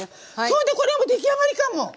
そんでこれ出来上がりかもう！